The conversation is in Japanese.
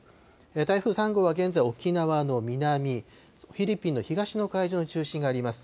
台風３号は現在、沖縄の南、フィリピンの東の海上に中心があります。